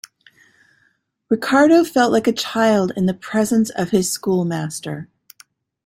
Ricardo felt like a child in the presence of his schoolmaster.